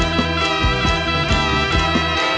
กลับไปที่นี่